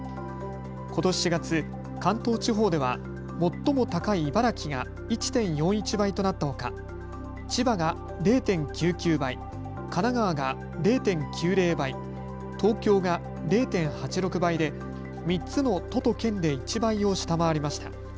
ことし４月、関東地方では最も高い茨城が１．４１倍となったほか千葉が０．９９倍、神奈川が０．９０倍、東京が０．８６倍で３つの都と県で１倍を下回りました。